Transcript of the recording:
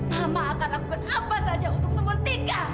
mama akan lakukan apa saja untuk sembun tika